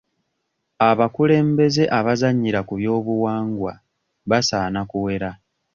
Abakulembeze abazannyira ku by'obuwangwa basaana kuwera.